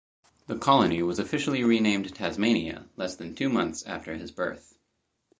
The colony was officially renamed Tasmania less than two months after his birth.